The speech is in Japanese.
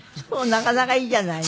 なかなかいいじゃないの。